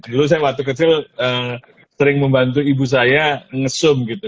dulu saya waktu kecil sering membantu ibu saya ngesum gitu